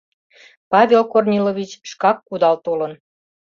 Павел Корнилович шкак кудал толын.